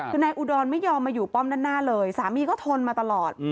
คือนายอุดรไม่ยอมมาอยู่ป้อมด้านหน้าเลยสามีก็ทนมาตลอด